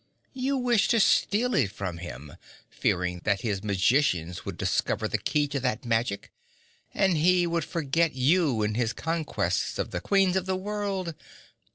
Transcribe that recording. You wished to steal it from him, fearing that his magicians would discover the key to that magic and he would forget you in his conquests of the queens of the world.